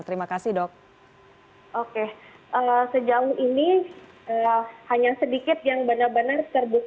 terima kasih dok oke allah sejauh ini adalah hanya sedikit yang benar benar terjadi di kota